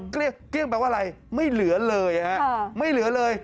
เกลี้ยงแปลว่าอะไรไม่เหลือเลย